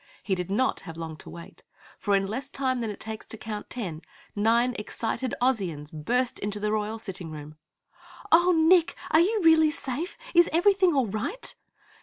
He did not have long to wait, for in less time than it takes to count ten, nine excited Ozians burst into the Royal Sitting room. "Oh, Nick! Are you really safe? Is everything all right?"